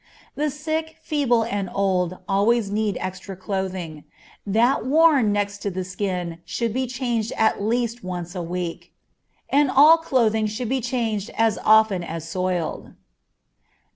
The sick, feeble, and old always need extra clothing; that worn next the skin should be changed at least once a week, and all clothing should be changed as often as soiled.